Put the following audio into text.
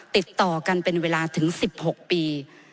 ติดต่อกันเป็นเวลาถึง๑๖ปี